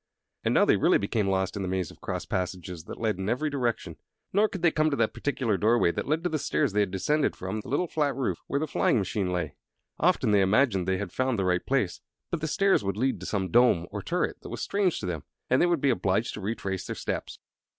And now they really became lost in the maze of cross passages that led in every direction; nor could they come to that particular doorway that led to the stairs they had descended from the little flat roof where the flying machine lay. Often they imagined they had found the right place; but the stairs would lead to some dome or turret that was strange to them, and they would be obliged to retrace their steps.